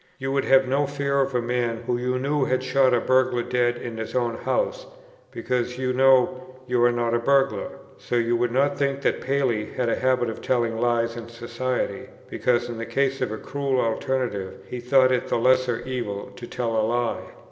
You would have no fear of a man who you knew had shot a burglar dead in his own house, because you know you are not a burglar: so you would not think that Paley had a habit of telling lies in society, because in the case of a cruel alternative he thought it the lesser evil to tell a lie.